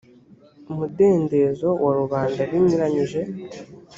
umudendezo wa rubanda binyuranyije